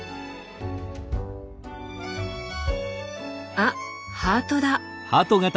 あハートだ。